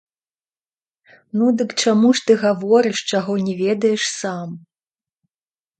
Ну, дык чаму ж ты гаворыш, чаго не ведаеш сам?